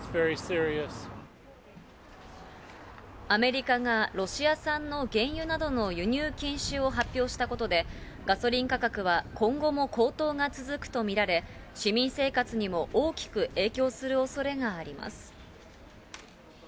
アメリカがロシア産の原油などの輸入禁止を発表したことで、ガソリン価格は今後も高騰が続くと見られ、市民生活にも大きく影響するおそれがあります。